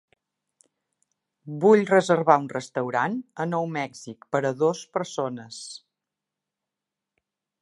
Vull reservar un restaurant a Nou Mèxic per a dos persones.